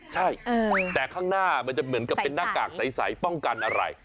ใช่แต่ข้างหน้ามันจะเหมือนกับเป็นหน้ากากใสป้องกันอะไร